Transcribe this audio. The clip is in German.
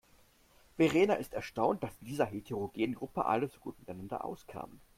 Verena ist erstaunt, dass in dieser heterogenen Gruppe alle so gut miteinander auskamen.